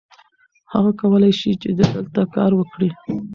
هغه کولی شي چې دلته کار وکړي.